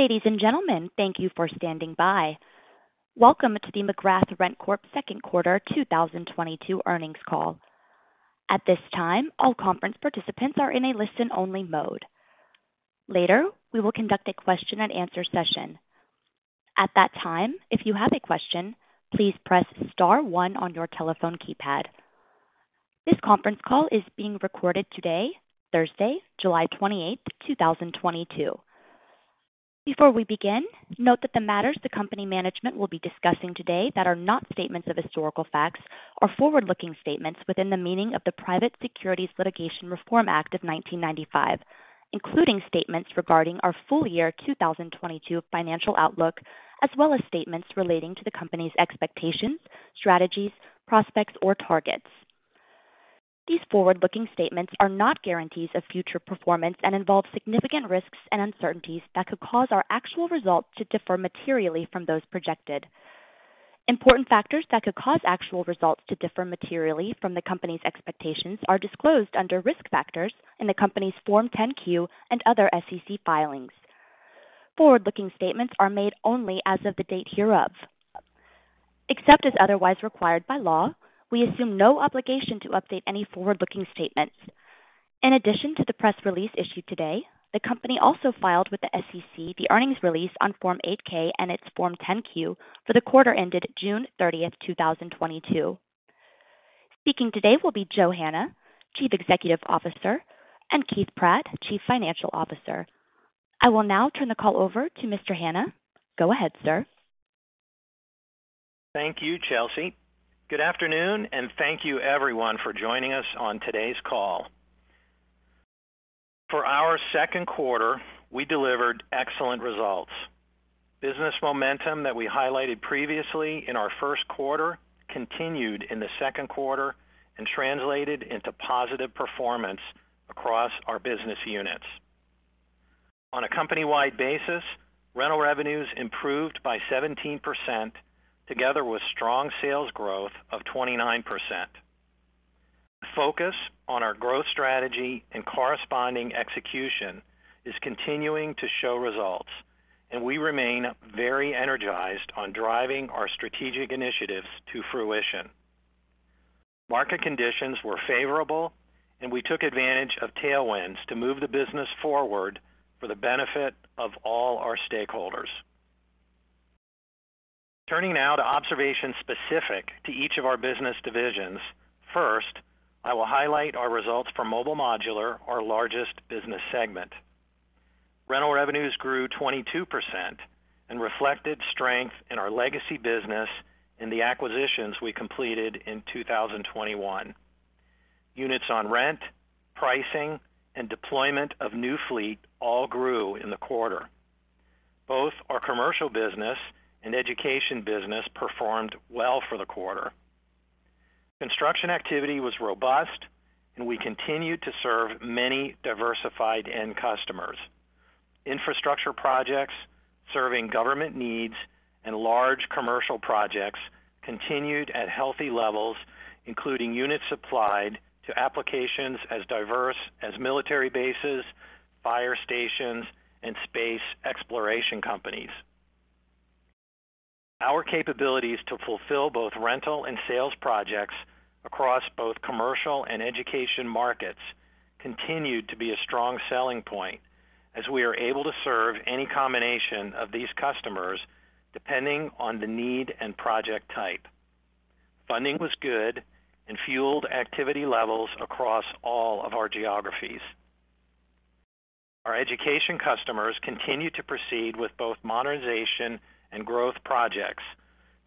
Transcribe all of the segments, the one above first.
Ladies and gentlemen, thank you for standing by. Welcome to the McGrath RentCorp second quarter 2022 earnings call. At this time, all conference participants are in a listen-only mode. Later, we will conduct a question-and-answer session. At that time, if you have a question, please press star one on your telephone keypad. This conference call is being recorded today, Thursday, July 28th, 2022. Before we begin, note that the matters the company management will be discussing today that are not statements of historical facts are forward-looking statements within the meaning of the Private Securities Litigation Reform Act of 1995, including statements regarding our full-year 2022 financial outlook, as well as statements relating to the company's expectations, strategies, prospects, or targets. These forward-looking statements are not guarantees of future performance and involve significant risks and uncertainties that could cause our actual results to differ materially from those projected. Important factors that could cause actual results to differ materially from the company's expectations are disclosed under Risk Factors in the company's Form 10-Q and other SEC filings. Forward-looking statements are made only as of the date hereof. Except as otherwise required by law, we assume no obligation to update any forward-looking statements. In addition to the press release issued today, the company also filed with the SEC the earnings release on Form 8-K and its Form 10-Q for the quarter ended June 30th, 2022. Speaking today will be Joe Hanna, Chief Executive Officer, and Keith Pratt, Chief Financial Officer. I will now turn the call over to Mr. Hanna. Go ahead, sir. Thank you, Chelsea. Good afternoon, and thank you everyone for joining us on today's call. For our second quarter, we delivered excellent results. Business momentum that we highlighted previously in our first quarter continued in the second quarter and translated into positive performance across our business units. On a company-wide basis, rental revenues improved by 17% together with strong sales growth of 29%. Focus on our growth strategy and corresponding execution is continuing to show results, and we remain very energized on driving our strategic initiatives to fruition. Market conditions were favorable, and we took advantage of tailwinds to move the business forward for the benefit of all our stakeholders. Turning now to observations specific to each of our business divisions. First, I will highlight our results for Mobile Modular, our largest business segment. Rental revenues grew 22% and reflected strength in our legacy business in the acquisitions we completed in 2021. Units on rent, pricing, and deployment of new fleet all grew in the quarter. Both our commercial business and education business performed well for the quarter. Construction activity was robust, and we continued to serve many diversified end customers. Infrastructure projects serving government needs and large commercial projects continued at healthy levels, including units supplied to applications as diverse as military bases, fire stations, and space exploration companies. Our capabilities to fulfill both rental and sales projects across both commercial and education markets continued to be a strong selling point as we are able to serve any combination of these customers depending on the need and project type. Funding was good and fueled activity levels across all of our geographies. Our education customers continued to proceed with both modernization and growth projects,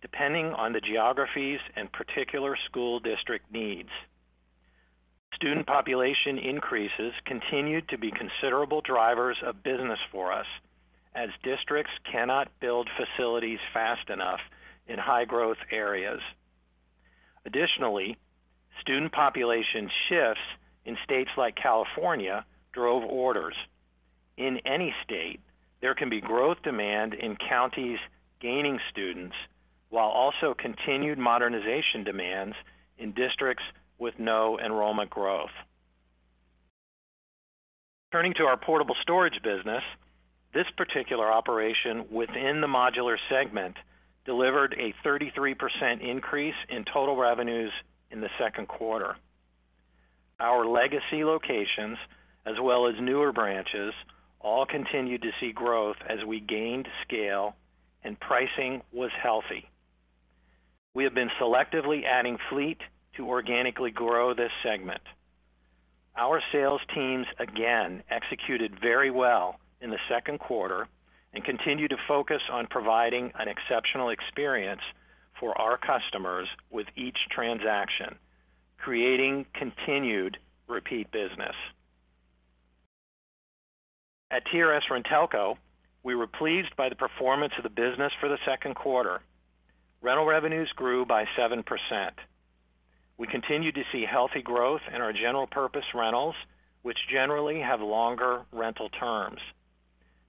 depending on the geographies and particular school district needs. Student population increases continued to be considerable drivers of business for us as districts cannot build facilities fast enough in high-growth areas. Additionally, student population shifts in states like California drove orders. In any state, there can be growth demand in counties gaining students, while also continued modernization demands in districts with no enrollment growth. Turning to our portable storage business, this particular operation within the modular segment delivered a 33% increase in total revenues in the second quarter. Our legacy locations, as well as newer branches, all continued to see growth as we gained scale and pricing was healthy. We have been selectively adding fleet to organically grow this segment. Our sales teams again executed very well in the second quarter and continue to focus on providing an exceptional experience for our customers with each transaction, creating continued repeat business. At TRS-RenTelco, we were pleased by the performance of the business for the second quarter. Rental revenues grew by 7%. We continued to see healthy growth in our general purpose rentals, which generally have longer rental terms.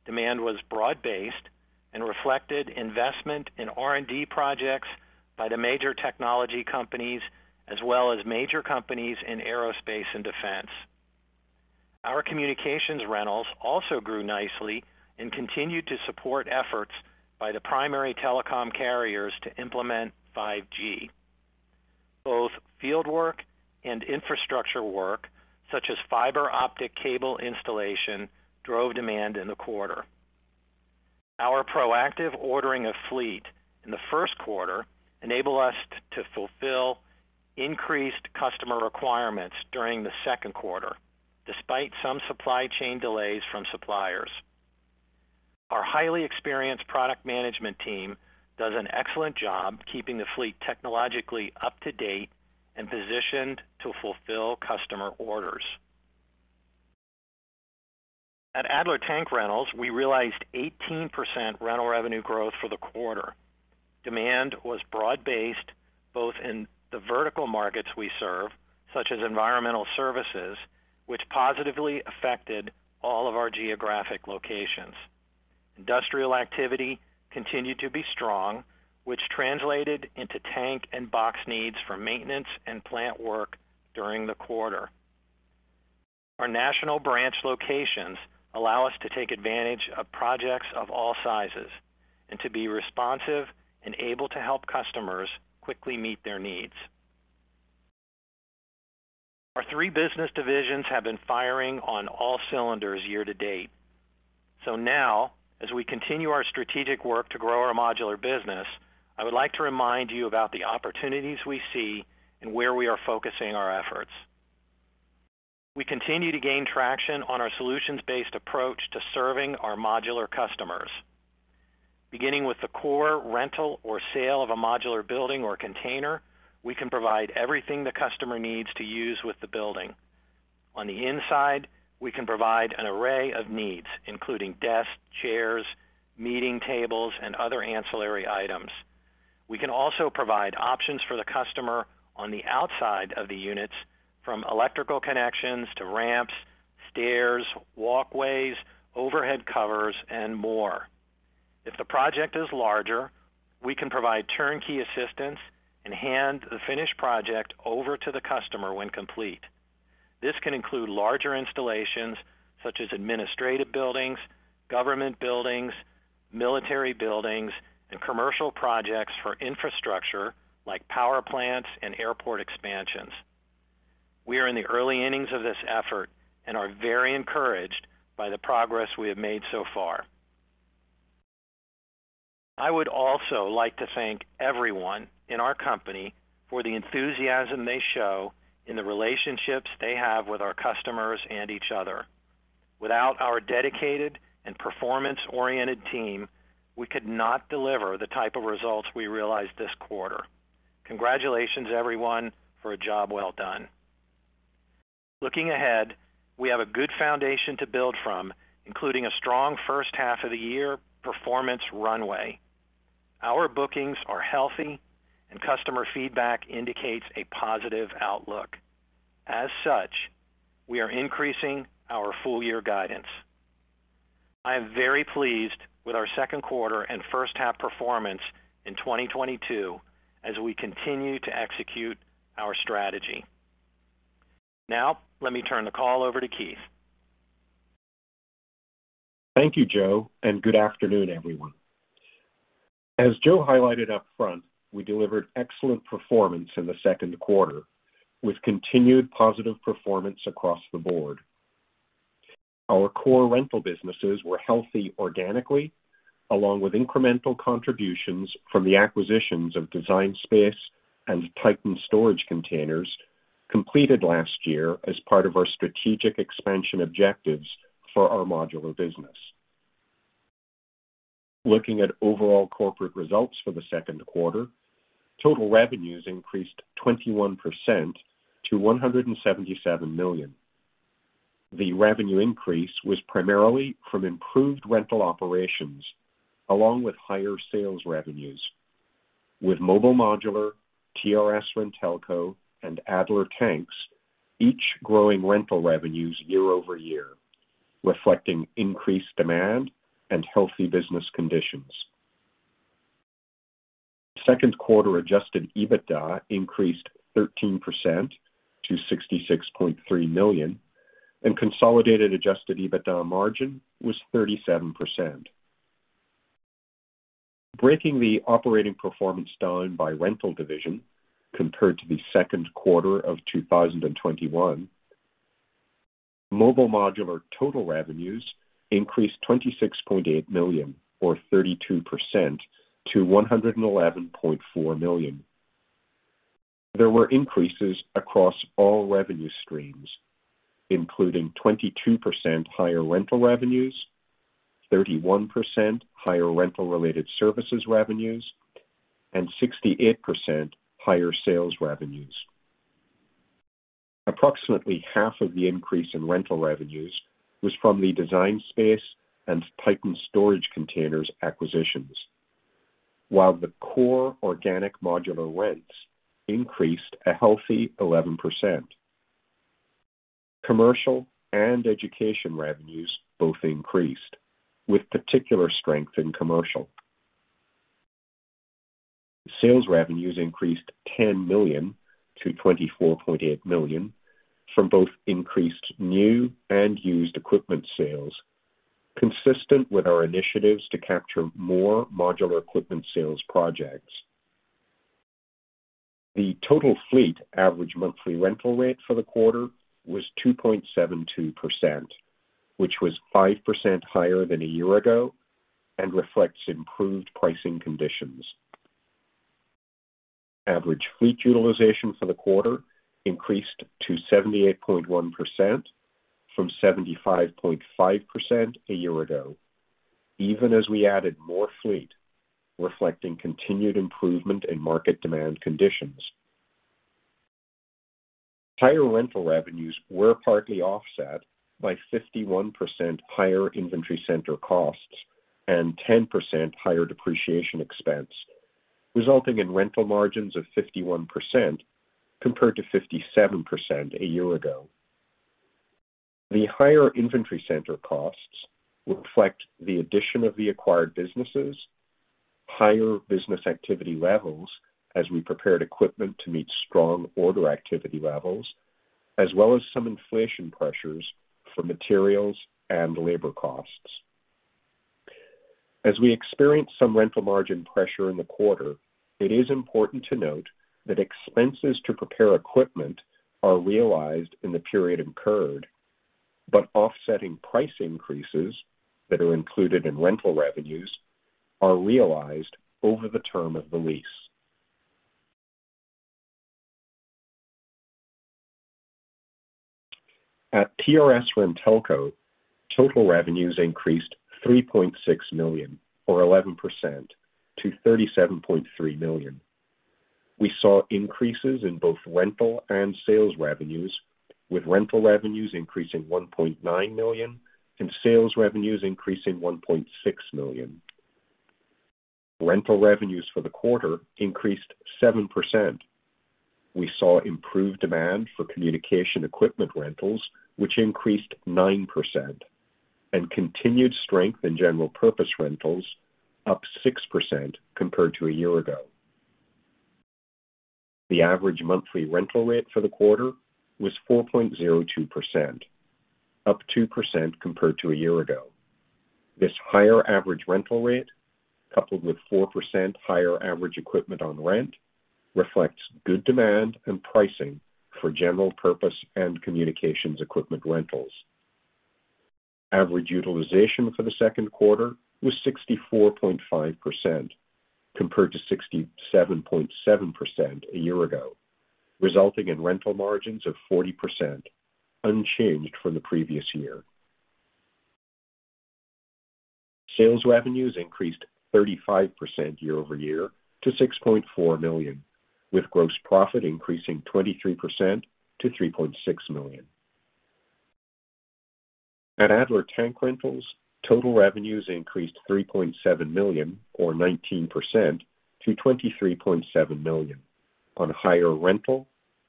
Demand was broad-based and reflected investment in R&D projects by the major technology companies, as well as major companies in aerospace and defense. Our communications rentals also grew nicely and continued to support efforts by the primary telecom carriers to implement 5G. Both field work and infrastructure work, such as fiber optic cable installation, drove demand in the quarter. Our proactive ordering of fleet in the first quarter enabled us to fulfill increased customer requirements during the second quarter, despite some supply chain delays from suppliers. Our highly experienced product management team does an excellent job keeping the fleet technologically up to date and positioned to fulfill customer orders. At Adler Tank Rentals, we realized 18% rental revenue growth for the quarter. Demand was broad-based, both in the vertical markets we serve, such as environmental services, which positively affected all of our geographic locations. Industrial activity continued to be strong, which translated into tank and box needs for maintenance and plant work during the quarter. Our national branch locations allow us to take advantage of projects of all sizes and to be responsive and able to help customers quickly meet their needs. Our three business divisions have been firing on all cylinders year-to-date. Now, as we continue our strategic work to grow our modular business, I would like to remind you about the opportunities we see and where we are focusing our efforts. We continue to gain traction on our solutions-based approach to serving our modular customers. Beginning with the core rental or sale of a modular building or container, we can provide everything the customer needs to use with the building. On the inside, we can provide an array of needs, including desks, chairs, meeting tables, and other ancillary items. We can also provide options for the customer on the outside of the units, from electrical connections to ramps, stairs, walkways, overhead covers, and more. If the project is larger, we can provide turnkey assistance and hand the finished project over to the customer when complete. This can include larger installations such as administrative buildings, government buildings, military buildings, and commercial projects for infrastructure like power plants and airport expansions. We are in the early innings of this effort and are very encouraged by the progress we have made so far. I would also like to thank everyone in our company for the enthusiasm they show in the relationships they have with our customers and each other. Without our dedicated and performance-oriented team, we could not deliver the type of results we realized this quarter. Congratulations, everyone, for a job well done. Looking ahead, we have a good foundation to build from, including a strong first half of the year performance runway. Our bookings are healthy and customer feedback indicates a positive outlook. As such, we are increasing our full-year guidance. I am very pleased with our second quarter and first half performance in 2022 as we continue to execute our strategy. Now, let me turn the call over to Keith. Thank you, Joe, and good afternoon, everyone. As Joe highlighted up front, we delivered excellent performance in the second quarter, with continued positive performance across the board. Our core rental businesses were healthy organically, along with incremental contributions from the acquisitions of Design Space and Titan Storage Containers completed last year as part of our strategic expansion objectives for our modular business. Looking at overall corporate results for the second quarter, total revenues increased 21% to $177 million. The revenue increase was primarily from improved rental operations along with higher sales revenues, with Mobile Modular, TRS-RenTelco and Adler Tanks, each growing rental revenues year-over-year, reflecting increased demand and healthy business conditions. Second quarter adjusted EBITDA increased 13% to $66.3 million, and consolidated adjusted EBITDA margin was 37%. Breaking the operating performance down by rental division compared to the second quarter of 2021, Mobile Modular total revenues increased $26.8 million or 32% to $111.4 million. There were increases across all revenue streams, including 22% higher rental revenues, 31% higher rental related services revenues, and 68% higher sales revenues. Approximately half of the increase in rental revenues was from the Design Space and Titan Storage Containers acquisitions. While the core organic modular rents increased a healthy 11%. Commercial and education revenues both increased, with particular strength in commercial. Sales revenues increased $10 million to $24.8 million from both increased new and used equipment sales, consistent with our initiatives to capture more modular equipment sales projects. The total fleet average monthly rental rate for the quarter was 2.72%, which was 5% higher than a year ago and reflects improved pricing conditions. Average fleet utilization for the quarter increased to 78.1% from 75.5% a year ago even as we added more fleet, reflecting continued improvement in market demand conditions. Higher rental revenues were partly offset by 51% higher inventory center costs and 10% higher depreciation expense, resulting in rental margins of 51% compared to 57% a year ago. The higher inventory center costs reflect the addition of the acquired businesses, higher business activity levels as we prepared equipment to meet strong order activity levels, as well as some inflation pressures for materials and labor costs. As we experienced some rental margin pressure in the quarter, it is important to note that expenses to prepare equipment are realized in the period incurred, but offsetting price increases that are included in rental revenues are realized over the term of the lease. At TRS-RenTelco, total revenues increased $3.6 million or 11% to $37.3 million. We saw increases in both rental and sales revenues, with rental revenues increasing $1.9 million and sales revenues increasing $1.6 million. Rental revenues for the quarter increased 7%. We saw improved demand for communication equipment rentals, which increased 9% and continued strength in general purpose rentals up 6% compared to a year ago. The average monthly rental rate for the quarter was 4.02%, up 2% compared to a year ago. This higher average rental rate, coupled with 4% higher average equipment on rent, reflects good demand and pricing for general purpose and communications equipment rentals. Average utilization for the second quarter was 64.5% compared to 67.7% a year ago, resulting in rental margins of 40%, unchanged from the previous year. Sales revenues increased 35% year-over-year to $6.4 million, with gross profit increasing 23% to $3.6 million. At Adler Tank Rentals, total revenues increased $3.7 million or 19% to $23.7 million on higher rental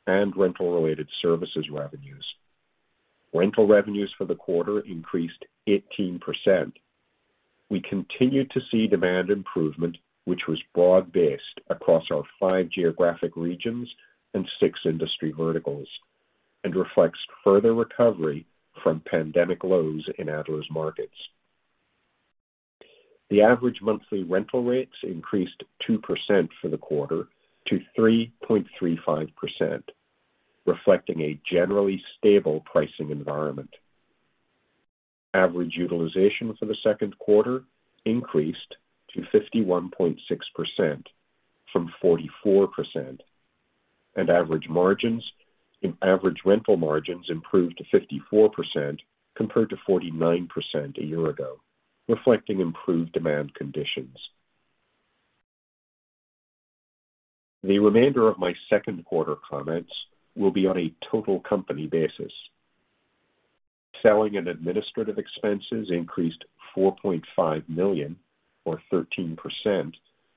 and rental related services revenues. Rental revenues for the quarter increased 18%. We continued to see demand improvement, which was broad-based across our five geographic regions and six industry verticals and reflects further recovery from pandemic lows in Adler's markets. The average monthly rental rates increased 2% for the quarter to 3.35%, reflecting a generally stable pricing environment. Average utilization for the second quarter increased to 51.6% from 44%. Average rental margins improved to 54% compared to 49% a year ago, reflecting improved demand conditions. The remainder of my second quarter comments will be on a total company basis. Selling and administrative expenses increased $4.5 million or 13%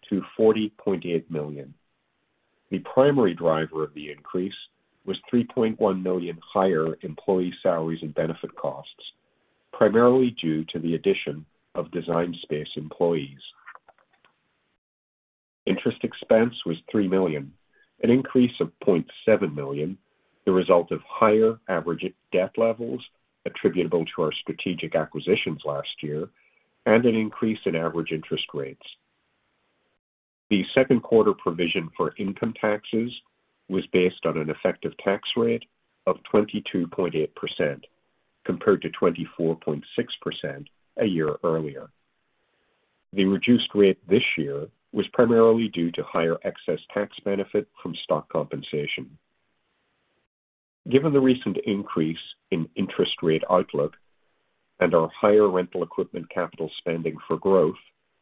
to $40.8 million. The primary driver of the increase was $3.1 million higher employee salaries and benefit costs, primarily due to the addition of Design Space employees. Interest expense was $3 million, an increase of $0.7 million, the result of higher average debt levels attributable to our strategic acquisitions last year, and an increase in average interest rates. The second quarter provision for income taxes was based on an effective tax rate of 22.8% compared to 24.6% a year earlier. The reduced rate this year was primarily due to higher excess tax benefit from stock compensation. Given the recent increase in interest rate outlook and our higher rental equipment capital spending for growth,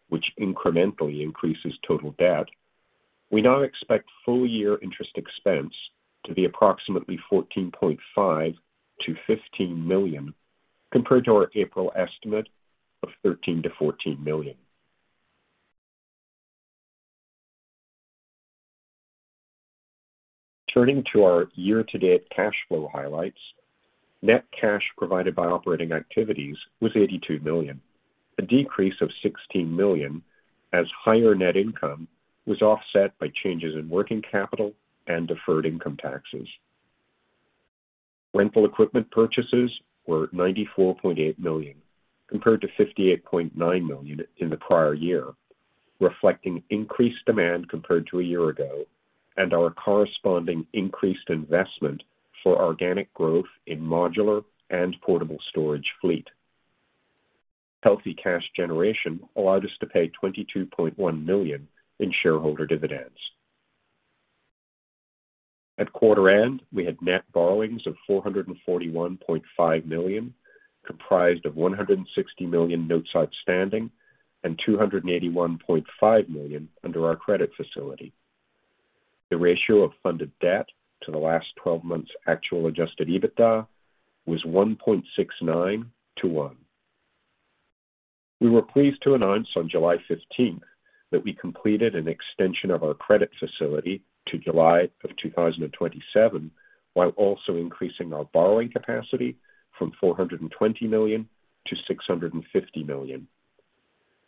which incrementally increases total debt, we now expect full-year interest expense to be approximately $14.5 million-$15 million, compared to our April estimate of $13 million-$14 million. Turning to our year-to-date cash flow highlights. Net cash provided by operating activities was $82 million, a decrease of $16 million as higher net income was offset by changes in working capital and deferred income taxes. Rental equipment purchases were $94.8 million compared to $58.9 million in the prior year, reflecting increased demand compared to a year ago and our corresponding increased investment for organic growth in modular and portable storage fleet. Healthy cash generation allowed us to pay $22.1 million in shareholder dividends. At quarter end, we had net borrowings of $441.5 million, comprised of $160 million notes outstanding and $281.5 million under our credit facility. The ratio of funded debt to the last 12 months actual adjusted EBITDA was 1.69 to 1. We were pleased to announce on July 15th that we completed an extension of our credit facility to July of 2027, while also increasing our borrowing capacity from $420 million to $650 million.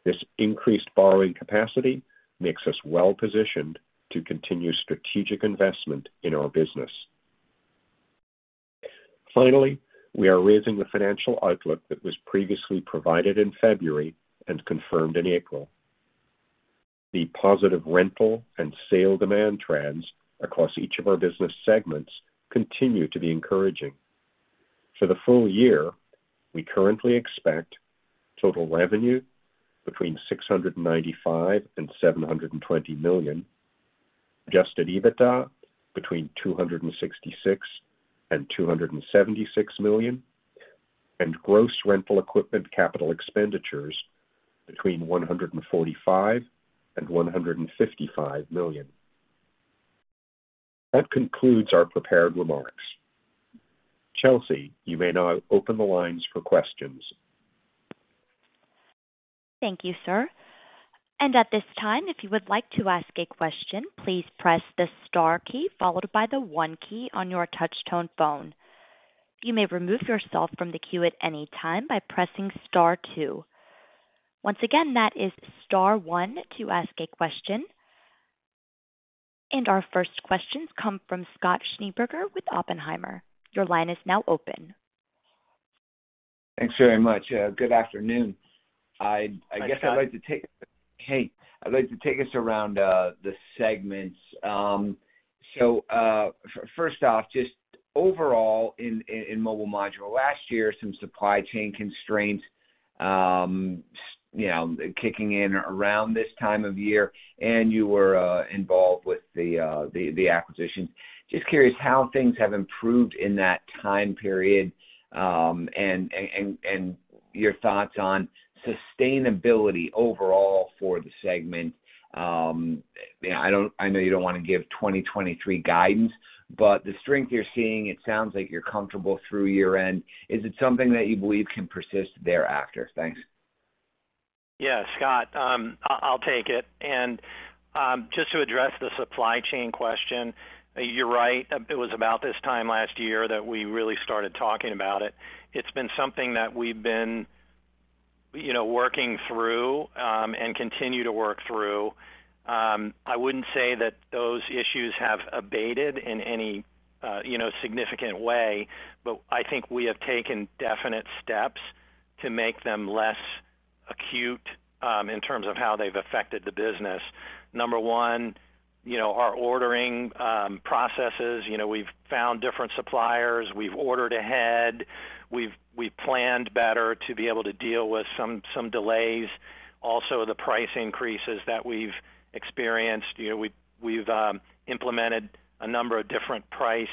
This increased borrowing capacity makes us well-positioned to continue strategic investment in our business. Finally, we are raising the financial outlook that was previously provided in February and confirmed in April. The positive rental and sale demand trends across each of our business segments continue to be encouraging. For the full year, we currently expect total revenue between $695 million and $720 million, adjusted EBITDA between $266 million and $276 million, and gross rental equipment capital expenditures between $145 million and $155 million. That concludes our prepared remarks. Chelsea, you may now open the lines for questions. Thank you, sir. At this time, if you would like to ask a question, please press the star key followed by the one key on your touch tone phone. You may remove yourself from the queue at any time by pressing star two. Once again, that is star one to ask a question. Our first questions come from Scott Schneeberger with Oppenheimer. Your line is now open. Thanks very much. Good afternoon. Hi, Scott. I'd like to take us around the segments. First off, just overall in Mobile Modular last year, some supply chain constraints, you know, kicking in around this time of year, and you were involved with the acquisition. Just curious how things have improved in that time period, and your thoughts on sustainability overall for the segment. I know you don't want to give 2023 guidance, but the strength you're seeing, it sounds like you're comfortable through year-end. Is it something that you believe can persist thereafter? Thanks. Yeah, Scott, I'll take it. Just to address the supply chain question, you're right. It was about this time last year that we really started talking about it. It's been something that we've been, you know, working through, and continue to work through. I wouldn't say that those issues have abated in any, you know, significant way, but I think we have taken definite steps to make them less acute, in terms of how they've affected the business. Number one, you know, our ordering processes. You know, we've found different suppliers. We've ordered ahead. We've planned better to be able to deal with some delays. Also, the price increases that we've experienced. You know, we've implemented a number of different price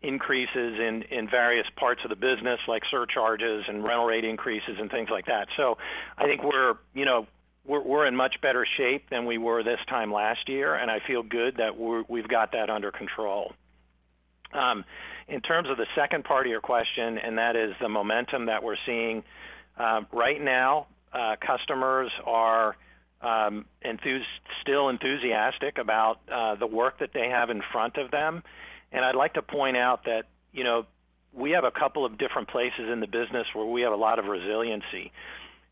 increases in various parts of the business, like surcharges and rental rate increases and things like that. I think we're, you know, we're in much better shape than we were this time last year, and I feel good that we've got that under control. In terms of the second part of your question, and that is the momentum that we're seeing. Right now, customers are still enthusiastic about the work that they have in front of them. I'd like to point out that, you know, we have a couple of different places in the business where we have a lot of resiliency.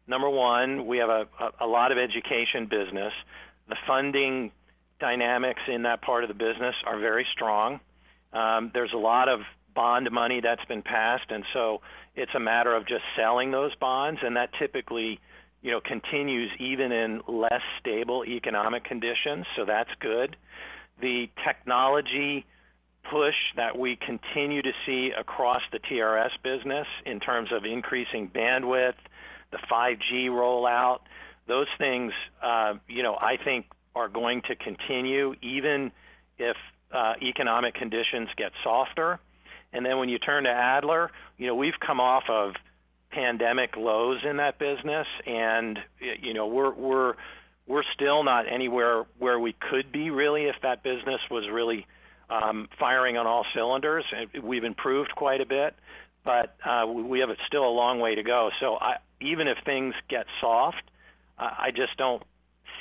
Number one, we have a lot of education business. The funding dynamics in that part of the business are very strong. There's a lot of bond money that's been passed, and so it's a matter of just selling those bonds, and that typically, you know, continues even in less stable economic conditions. That's good. The technology push that we continue to see across the TRS business in terms of increasing bandwidth, the 5G rollout, those things, you know, I think are going to continue even if economic conditions get softer. Then when you turn to Adler, you know, we've come off of pandemic lows in that business, and, you know, we're still not anywhere where we could be, really, if that business was really firing on all cylinders. We've improved quite a bit, but we have still a long way to go. Even if things get soft, I just don't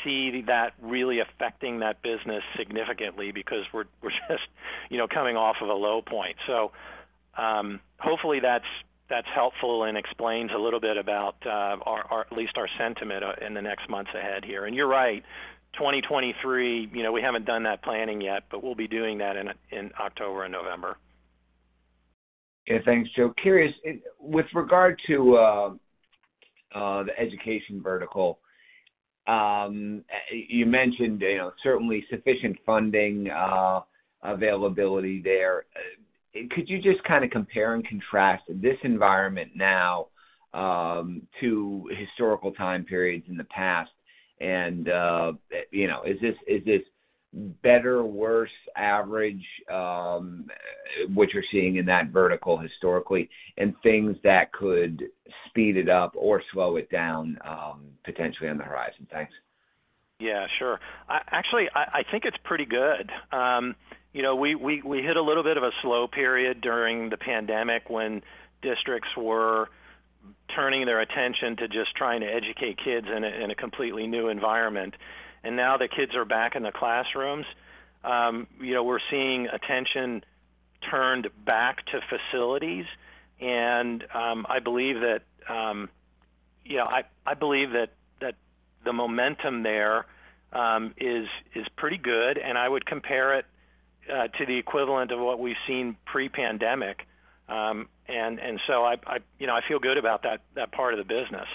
see that really affecting that business significantly because we're just, you know, coming off of a low point. Hopefully that's helpful and explains a little bit about our at least our sentiment in the next months ahead here. You're right, 2023, you know, we haven't done that planning yet, but we'll be doing that in October and November. Okay, thanks, Joe. Curious, with regard to the education vertical, you mentioned, you know, certainly sufficient funding availability there. Could you just kinda compare and contrast this environment now to historical time periods in the past? You know, is this better, worse, average, what you're seeing in that vertical historically, and things that could speed it up or slow it down potentially on the horizon? Thanks. Yeah, sure. Actually, I think it's pretty good. You know, we hit a little bit of a slow period during the pandemic when districts were turning their attention to just trying to educate kids in a completely new environment. Now the kids are back in the classrooms. You know, we're seeing attention turned back to facilities. I believe that the momentum there is pretty good, and I would compare it to the equivalent of what we've seen pre-pandemic. You know, I feel good about that part of the business.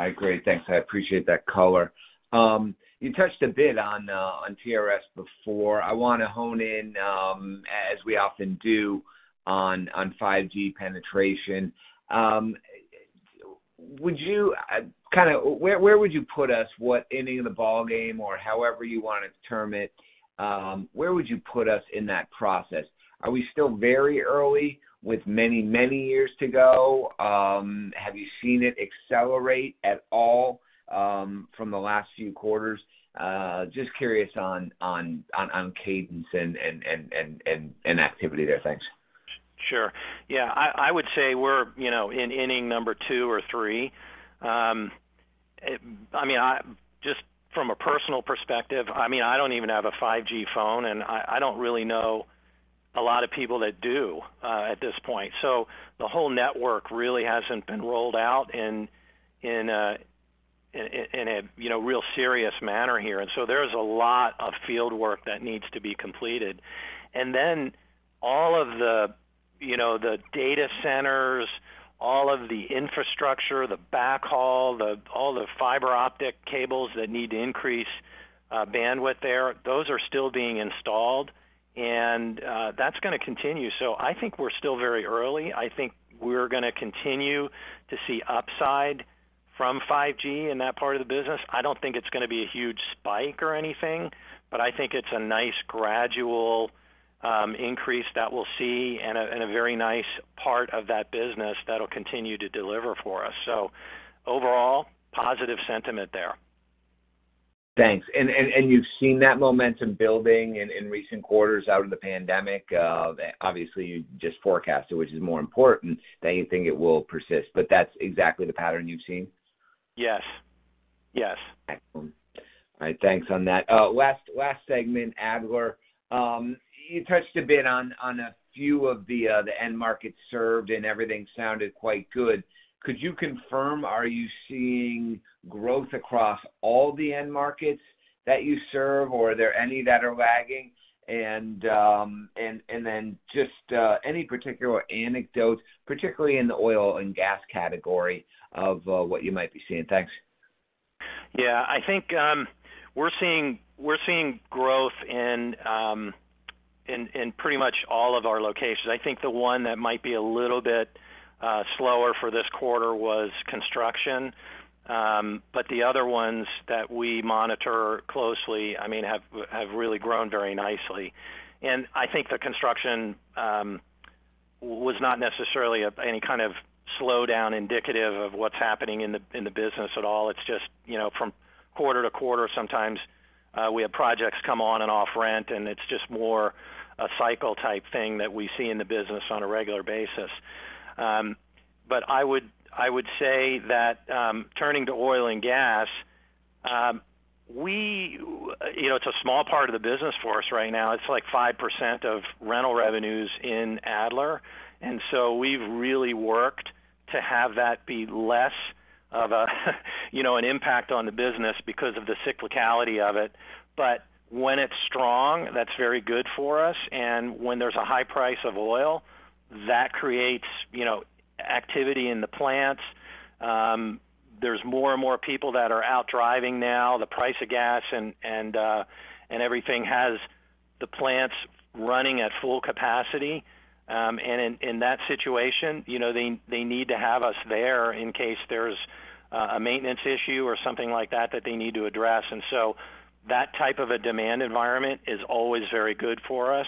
All right, great. Thanks. I appreciate that color. You touched a bit on TRS before. I wanna hone in, as we often do on 5G penetration. Would you kind of where would you put us? What inning of the ball game or however you wanna term it, where would you put us in that process? Are we still very early with many, many years to go? Have you seen it accelerate at all from the last few quarters? Just curious on cadence and activity there. Thanks. Sure. Yeah, I would say we're, you know, in inning number two or three. I mean, just from a personal perspective, I mean, I don't even have a 5G phone, and I don't really know a lot of people that do at this point. The whole network really hasn't been rolled out in a real serious manner here. There's a lot of field work that needs to be completed. Then all of the, you know, the data centers, all of the infrastructure, the backhaul, all the fiber optic cables that need to increase bandwidth there, those are still being installed, and that's gonna continue. I think we're still very early. I think we're gonna continue to see upside from 5G in that part of the business. I don't think it's gonna be a huge spike or anything, but I think it's a nice gradual increase that we'll see and a very nice part of that business that'll continue to deliver for us. Overall, positive sentiment there. Thanks. You've seen that momentum building in recent quarters out of the pandemic. Obviously, you just forecast it, which is more important than anything, it will persist. That's exactly the pattern you've seen? Yes. Yes. Excellent. All right, thanks on that. Last segment, Adler. You touched a bit on a few of the end markets served, and everything sounded quite good. Could you confirm, are you seeing growth across all the end markets that you serve, or are there any that are lagging? Then just any particular anecdotes, particularly in the oil and gas category of what you might be seeing. Thanks. Yeah. I think we're seeing growth in pretty much all of our locations. I think the one that might be a little bit slower for this quarter was construction. The other ones that we monitor closely, I mean, have really grown very nicely. I think the construction was not necessarily any kind of slowdown indicative of what's happening in the business at all. It's just, you know, from quarter to quarter, sometimes, we have projects come on and off rent, and it's just more a cycle type thing that we see in the business on a regular basis. I would say that, turning to oil and gas, you know, it's a small part of the business for us right now. It's like 5% of rental revenues in Adler. We've really worked to have that be less of a, you know, an impact on the business because of the cyclicality of it. When it's strong, that's very good for us. When there's a high price of oil, that creates, you know, activity in the plants. There's more and more people that are out driving now. The price of gas and everything has the plants running at full capacity. In that situation, you know, they need to have us there in case there's a maintenance issue or something like that they need to address. That type of a demand environment is always very good for us.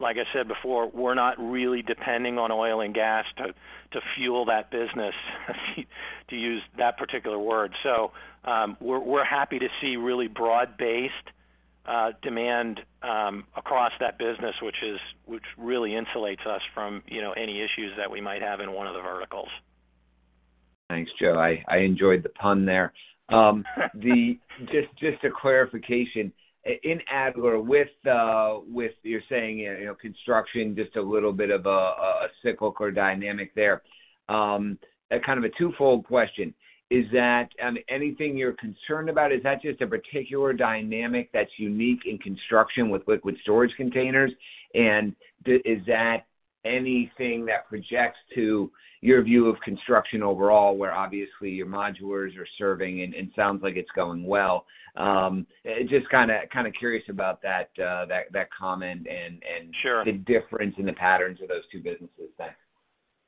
Like I said before, we're not really depending on oil and gas to fuel that business, to use that particular word. So, we're happy to see really broad-based demand across that business, which really insulates us from, you know, any issues that we might have in one of the verticals. Thanks, Joe. I enjoyed the pun there. Just a clarification. In Adler, with what you're saying, you know, construction just a little bit of a cyclical dynamic there. A kind of a twofold question. Is that anything you're concerned about? Is that just a particular dynamic that's unique in construction with liquid storage containers? And is that anything that projects to your view of construction overall, where obviously your modulars are serving and sounds like it's going well? Just kinda curious about that comment and. Sure. the difference in the patterns of those two businesses then.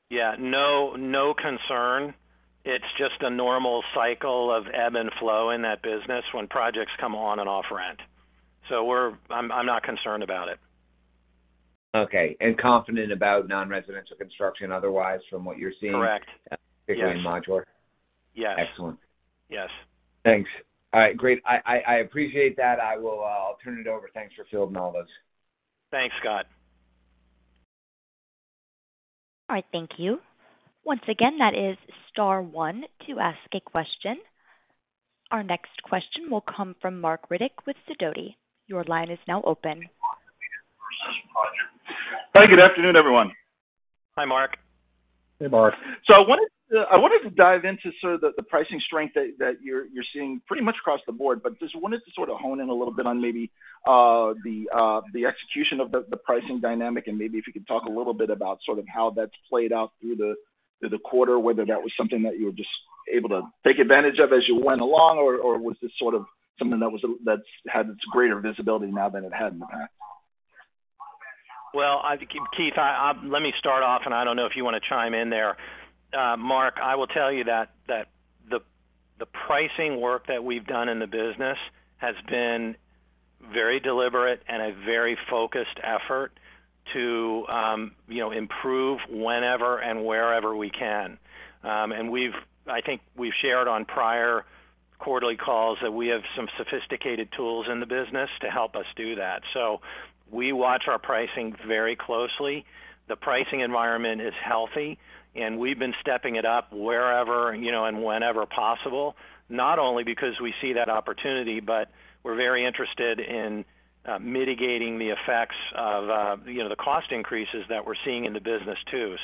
Yeah. No concern. It's just a normal cycle of ebb and flow in that business when projects come on and off rent. I'm not concerned about it. Okay. Confident about non-residential construction otherwise from what you're seeing. Correct. Particularly in modular? Yes. Excellent. Yes. Thanks. All right, great. I appreciate that. I'll turn it over. Thanks for fielding all those. Thanks, Scott. All right, thank you. Once again, that is star one to ask a question. Our next question will come from Marc Riddick with Sidoti. Your line is now open. Hi, good afternoon, everyone. Hi, Marc. Hey, Marc. I wanted to dive into sort of the pricing strength that you're seeing pretty much across the board, but just wanted to sort of hone in a little bit on maybe the execution of the pricing dynamic, and maybe if you could talk a little bit about sort of how that's played out through the quarter, whether that was something that you were just able to take advantage of as you went along, or was this sort of something that was that's had its greater visibility now than it had in the past? Well, I think, Keith, I let me start off, and I don't know if you wanna chime in there. Mark, I will tell you that the pricing work that we've done in the business has been very deliberate and a very focused effort to, you know, improve whenever and wherever we can. I think we've shared on prior quarterly calls that we have some sophisticated tools in the business to help us do that. We watch our pricing very closely. The pricing environment is healthy, and we've been stepping it up wherever, you know, and whenever possible, not only because we see that opportunity, but we're very interested in mitigating the effects of, you know, the cost increases that we're seeing in the business, too.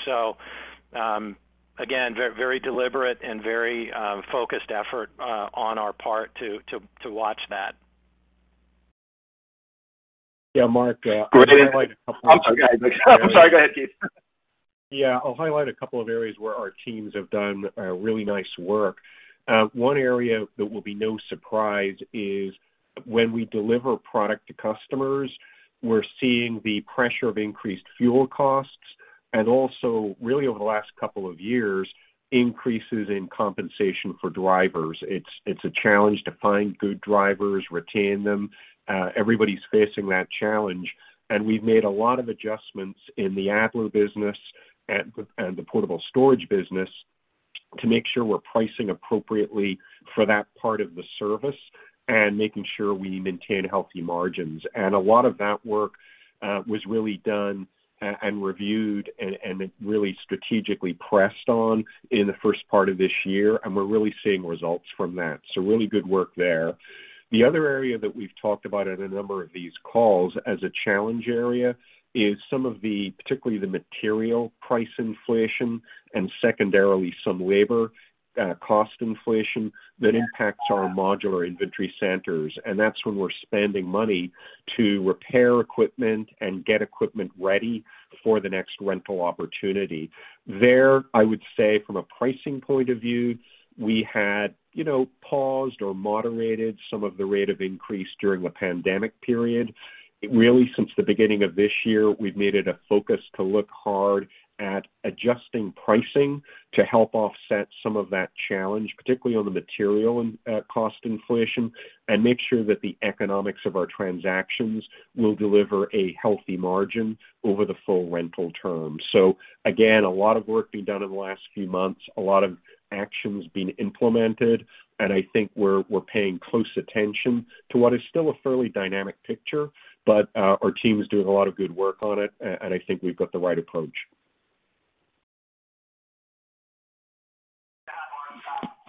Again, very deliberate and very focused effort on our part to watch that. Yeah, Marc, I'm sorry. Go ahead, Keith. Yeah. I'll highlight a couple of areas where our teams have done really nice work. One area that will be no surprise is when we deliver product to customers, we're seeing the pressure of increased fuel costs, and also really over the last couple of years, increases in compensation for drivers. It's a challenge to find good drivers, retain them. Everybody's facing that challenge. We've made a lot of adjustments in the Adler business and the portable storage business to make sure we're pricing appropriately for that part of the service and making sure we maintain healthy margins. A lot of that work was really done and reviewed and really strategically pressed on in the first part of this year, and we're really seeing results from that. Really good work there. The other area that we've talked about in a number of these calls as a challenge area is some of the, particularly the material price inflation and secondarily some labor cost inflation that impacts our modular inventory centers, and that's when we're spending money to repair equipment and get equipment ready for the next rental opportunity. There, I would say from a pricing point of view, we had, you know, paused or moderated some of the rate of increase during the pandemic period. Really, since the beginning of this year, we've made it a focus to look hard at adjusting pricing to help offset some of that challenge, particularly on the material and cost inflation and make sure that the economics of our transactions will deliver a healthy margin over the full rental term. Again, a lot of work being done in the last few months, a lot of actions being implemented, and I think we're paying close attention to what is still a fairly dynamic picture. Our team is doing a lot of good work on it. I think we've got the right approach.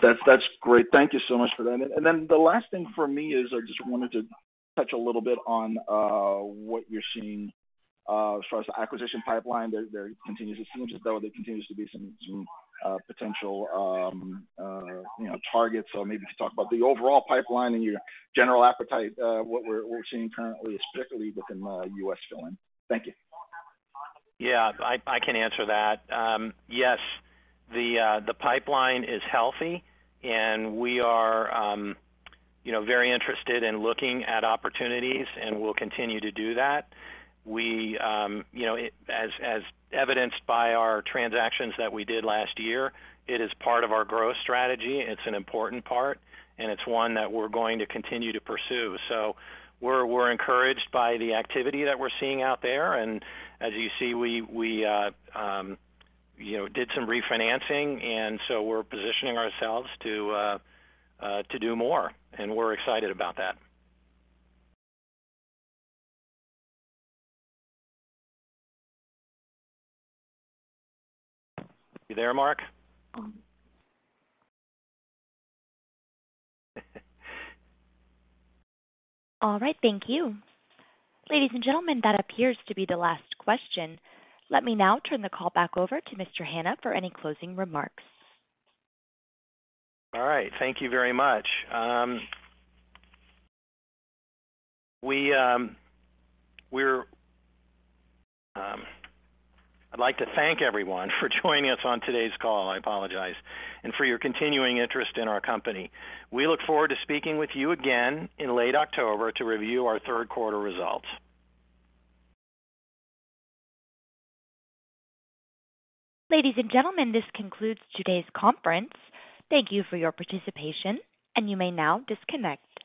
That's great. Thank you so much for that. Then the last thing for me is I just wanted to touch a little bit on what you're seeing as far as the acquisition pipeline. It seems as though there continues to be some potential, you know, targets. Maybe just talk about the overall pipeline and your general appetite, what we're seeing currently, especially within modular building. Thank you. Yeah, I can answer that. Yes, the pipeline is healthy, and we are, you know, very interested in looking at opportunities, and we'll continue to do that. We, you know, as evidenced by our transactions that we did last year, it is part of our growth strategy, it's an important part, and it's one that we're going to continue to pursue. We're encouraged by the activity that we're seeing out there. As you see, we did some refinancing and so we're positioning ourselves to do more, and we're excited about that. You there, Mark? All right. Thank you. Ladies and gentlemen, that appears to be the last question. Let me now turn the call back over to Mr. Hanna for any closing remarks. All right. Thank you very much. I'd like to thank everyone for joining us on today's call, I apologize, and for your continuing interest in our company. We look forward to speaking with you again in late October to review our third quarter results. Ladies and gentlemen, this concludes today's conference. Thank you for your participation, and you may now disconnect.